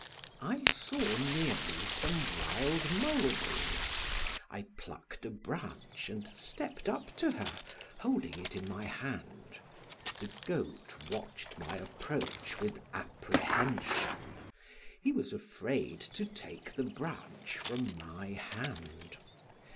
I saw near me some wild mulberry; I plucked a branch and stepped up to her holding it in my hand. The goat watched my approach with apprehension; he was afraid to take the branch from my hand.